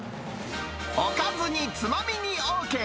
おかずにつまみにＯＫ！